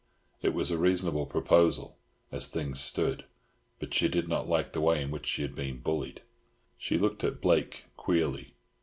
It was a reasonable proposal, as things stood; but she did not like the way in which she had been bullied. She looked at Blake queerly.